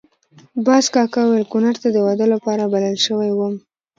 باز کاکا ویل کونړ ته د واده لپاره بلل شوی وم.